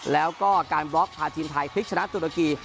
แล้วก็การบล็อกพาทีมไทยพลิกชนะตุรกี